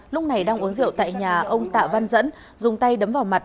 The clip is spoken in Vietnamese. lúc này đang uống rượu tại nhà ông tạ văn dẫn dùng tay đấm vào mặt